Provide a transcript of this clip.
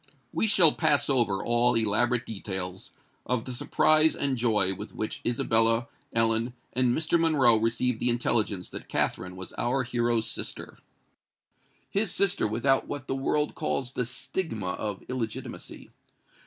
We shall pass over all elaborate details of the surprise and joy with which Isabella, Ellen, and Mr. Monroe received the intelligence that Katherine was our hero's sister,—his sister without what the world calls the stigma of illegitimacy!